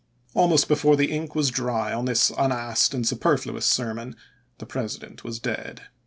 1 Almost before the ink was dry on this unasked and superfluous sermon the President was dead.